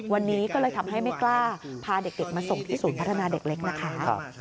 วันนี้ก็เลยทำให้ไม่กล้าพาเด็กมาส่งที่ศูนย์พัฒนาเด็กเล็กนะคะ